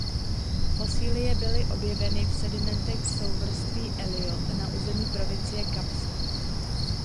Fosilie byly objeveny v sedimentech souvrství Elliot na území provincie Kapsko.